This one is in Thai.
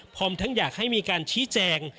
พร้อมทั้งอยากให้มีการชี้แจง